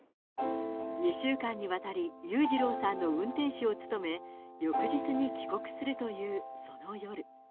２週間にわたり、裕次郎さんの運転手を務め、翌日に帰国するという、その夜。